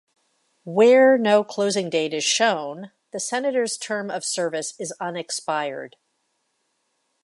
Where no closing date is shown, the Senator's term of service is unexpired.